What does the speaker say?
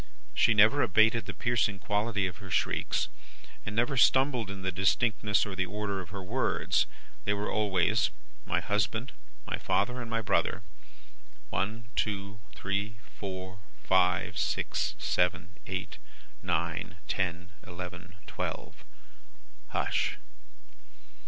She never abated the piercing quality of her shrieks, never stumbled in the distinctness or the order of her words. They were always 'My husband, my father, and my brother! One, two, three, four, five, six, seven, eight, nine, ten, eleven, twelve. Hush!